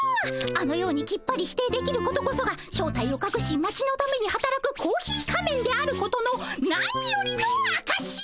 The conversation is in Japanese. あのようにきっぱり否定できることこそが正体をかくし町のためにはたらくコーヒー仮面であることの何よりのあかし！